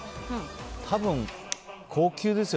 多分、高級ですよ。